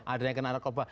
ada yang kena narkoba